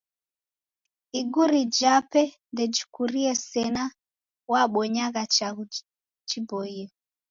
Iguri jape ndejikurie sena wabonyagha chaghu chiboie.